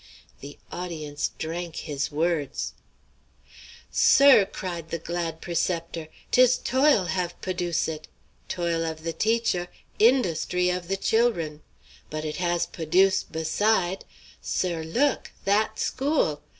The audience drank his words. "Sir," cried the glad preceptor, "'tis toil have p'oduce it! Toil of the teacher, in_dust_ry of the chil'run! But it has p'oduce' beside! Sir, look that school!